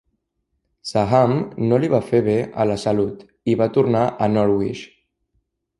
Saham no li va fer bé a la salut, i va tornar a Norwich.